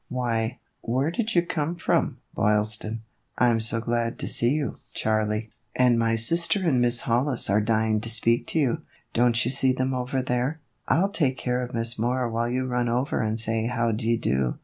" Why, where did you come from, Boylston ?"" I 'm so glad to see you, Charlie, and my sister 134 THE EVOLUTION OF A BONNET. and Miss Hollis are dying to speak to you. Don't you see them over there ? I '11 take care of Miss Moore while you run over and say how d 'ye do."